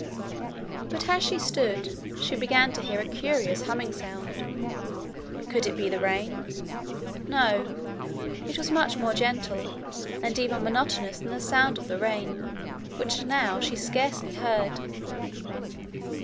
But as she stood, she began to hear a curious humming sound. Could it be the rain? No. It was much more gentle, and even monotonous than the sound of the rain, which now she scarcely heard.